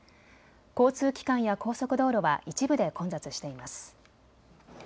交通機関や高速道路は一部で混雑しています。